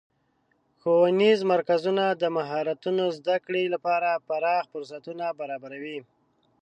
ښوونیز مرکزونه د مهارتونو زدهکړې لپاره پراخه فرصتونه برابروي.